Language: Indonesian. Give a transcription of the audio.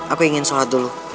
aku ingin sholat dulu